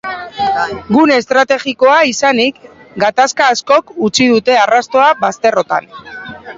Gune estrategikoa izanik, gatazka askok utzi dute arrastoa bazterrotan.